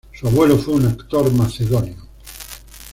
Su abuelo fue un actor macedonio.